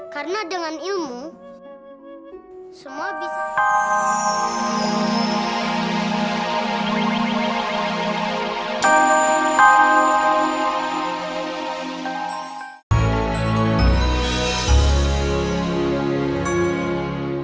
karena dengan ilmu semua bisa